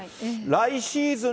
来シーズン